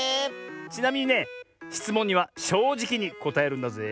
ちなみにねしつもんにはしょうじきにこたえるんだぜえ。